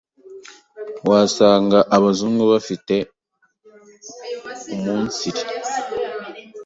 Wasanga abazungu bafite uumunsiri